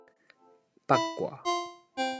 腹蓋